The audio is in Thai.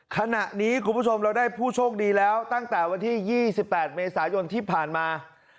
ขณะนี้คุณผู้ชมเราได้ผู้โชคดีแล้วตั้งแต่วันที่๒๘เมษายนที่ผ่านมา